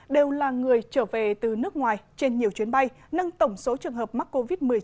đều là người trở về từ nước ngoài trên nhiều chuyến bay nâng tổng số trường hợp mắc covid một mươi chín